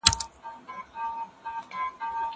زه له سهاره د لوبو لپاره وخت نيسم؟!